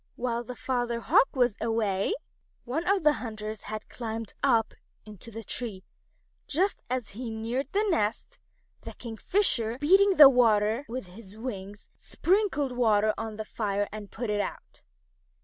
While the Father Hawk was away, one of the hunters had climbed up into the tree. Just as he neared the nest, the Kingfisher, beating the water with his wings, sprinkled water on the fire and put it out.